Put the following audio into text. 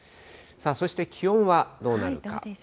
そして気温はどうなるか。